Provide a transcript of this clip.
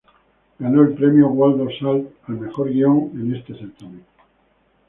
Ganó el premio Waldo Salt al mejor guion en este certamen.